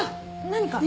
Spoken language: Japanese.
何か？